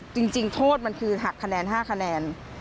จริงโทษมันคือหักคะแนน๕คะแนน